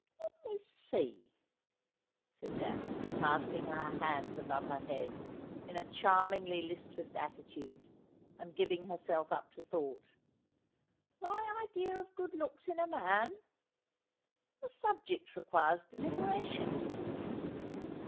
' Let me see,' said Daphne, clasping her hands above her head, in a charmingly listless attitude, and giving herself up to thought. ' My idea of good looks in a man ? The subject requires delibera tion.